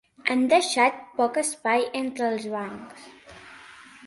Han deixat poc espai entre els bancs.